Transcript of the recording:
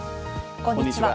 こんにちは。